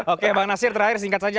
oke bang nasir terakhir singkat saja